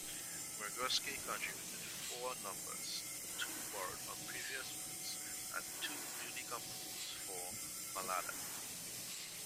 Mussorgsky contributed four numbers-two borrowed from previous works and two newly composed for "Mlada".